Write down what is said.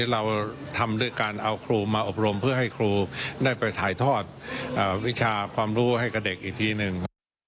เราทำด้วยการเอาครูมาอบรมเพื่อให้ครูได้ไปถ่ายทอดวิชาความรู้ให้กับเด็กอีกทีหนึ่ง